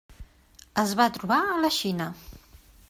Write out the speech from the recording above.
Es va trobar a la Xina.